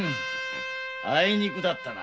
あいにくだったな。